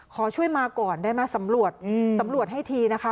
ขอช่วยมาก่อนได้มาสำรวจสำรวจให้ทีนะคะ